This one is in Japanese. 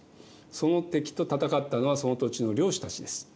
その敵と戦ったのはその土地の領主たちです。